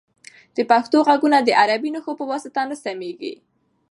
د پښتو غږونه د عربي نښو په واسطه نه سمیږي.